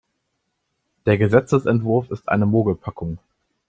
Der Gesetzesentwurf ist eine Mogelpackung.